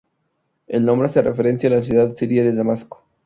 El nombre hace referencia a la ciudad siria de Damasco.